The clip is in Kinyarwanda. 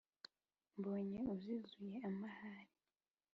mbonye uzizuye amahari,